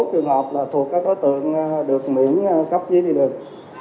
còn tám mươi một trường hợp là thuộc các đối tượng được miễn cấp giấy đi đường